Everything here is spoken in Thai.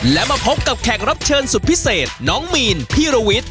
และมาพบกับแขกรับเชิญสุดพิเศษน้องมีนพี่ระวิทย